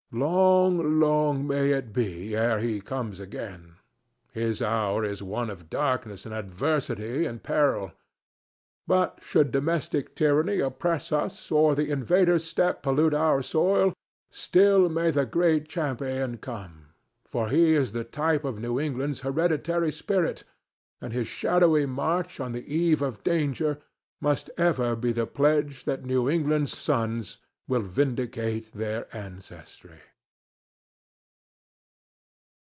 Long, long may it be ere he comes again! His hour is one of darkness and adversity and peril. But should domestic tyranny oppress us or the invader's step pollute our soil, still may the Gray Champion come! for he is the type of New England's hereditary spirit, and his shadowy march on the eve of danger must ever be the pledge that New England's sons will vindicate their ancestry.